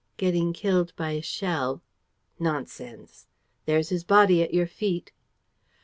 "Getting killed by a shell." "Nonsense!" "There's his body at your feet."